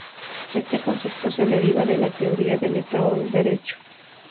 Este concepto se deriva de la teoría del Estado de Derecho.